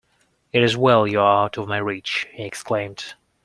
‘It is well you are out of my reach,’ he exclaimed.